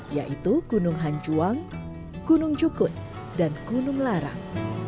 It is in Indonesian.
yaitu gunung hancuang gunung cukut dan gunung larang